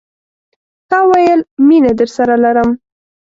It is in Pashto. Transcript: تا ویل، میینه درسره لرم